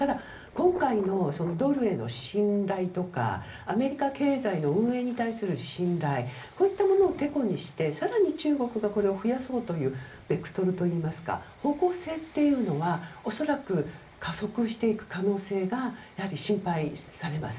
今回のドルへの信頼とかアメリカ経済の運営に対する信頼こういったものをてこにして更に中国がこれを増やそうというベクトルといいますか方向性というのは恐らく、加速していく可能性がやはり心配されます。